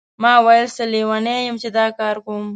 ما ویل څه لیونی یم چې دا کار کوم.